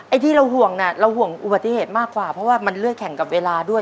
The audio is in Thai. ที่เราห่วงน่ะเราห่วงอุบัติเหตุมากกว่าเพราะว่ามันเลือกแข่งกับเวลาด้วย